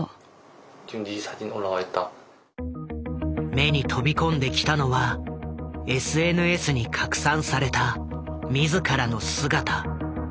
目に飛び込んできたのはＳＮＳに拡散された自らの姿。